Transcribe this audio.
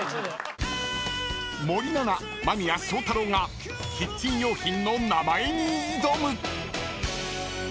［森七菜間宮祥太朗がキッチン用品の名前に挑む］